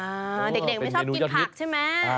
เด็กไม่ชอบกินผักใช่ไหม